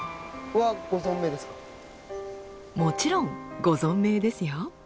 もちろんご存命ですよ！